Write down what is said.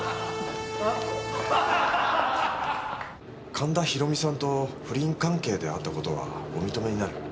神田博美さんと不倫関係であった事はお認めになる。